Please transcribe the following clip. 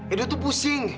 edo tuh pusing